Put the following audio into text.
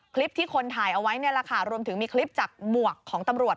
คลิปที่คนถ่ายเอาไว้นี่แหละค่ะรวมถึงมีคลิปจากหมวกของตำรวจ